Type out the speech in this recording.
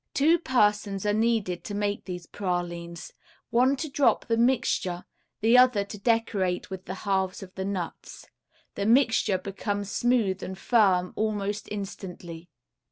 Two persons are needed to make these pralines, one to drop the mixture, the other to decorate with the halves of the nuts. The mixture becomes smooth and firm almost instantly.